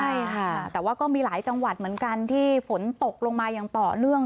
ใช่ค่ะแต่ว่าก็มีหลายจังหวัดเหมือนกันที่ฝนตกลงมาอย่างต่อเนื่อง